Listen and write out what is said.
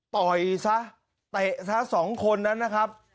ต่อยซะเตะซะสองคนนั้นนะครับ